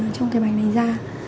ở trong cái bánh này ra